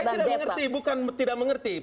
saya tidak mengerti bukan tidak mengerti